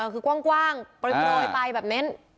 คือกว้างปล่อยไปแบบนั้น